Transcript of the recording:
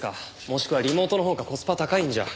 もしくはリモートのほうがコスパ高いんじゃ。